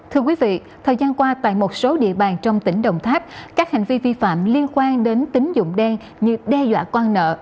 thưa quý vị thời gian qua tại một số địa bàn trong tỉnh đồng tháp các hành vi vi phạm liên quan đến tính dụng đen như đe dọa quan nợ